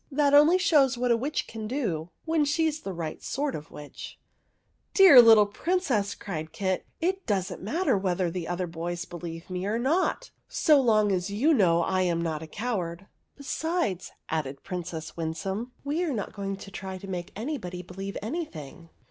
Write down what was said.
That only shows what a witch can do when she is the right sort of witch !" Dear little Princess," cried Kit, " it does n't matter whether the other boys believe me or not, so long as you know I am not a coward." " Besides," added Princess Winsome, " we are not going to try to make anybody believe anything.